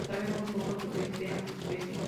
Se sabe muy poco sobre esta especie.